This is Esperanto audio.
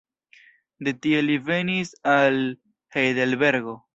De tie li venis al Hejdelbergo.